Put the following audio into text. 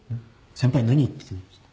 先輩何言ってるんですか。